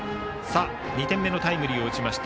２点目のタイムリーを打ちました